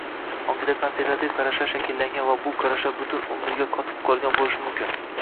ongida konservativ qarashlar shakllangan va bu qarashlar butun umrga qotib qolgan bo‘lishi mumkin.